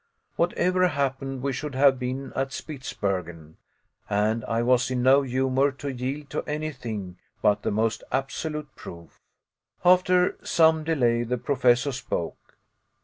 Whatever happened, we should have been at Spitsbergen, and I was in no humor to yield to anything but the most absolute proof. After some delay, the Professor spoke.